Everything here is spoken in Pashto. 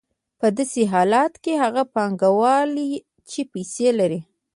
په داسې حالت کې هغه پانګوال چې پیسې لري